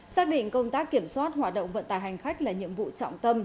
xác định công tác kiểm soát hoạt động vận tải hành khách là nhiệm vụ trọng tâm